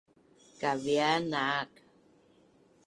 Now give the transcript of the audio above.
Kaviaz naak